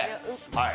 はい。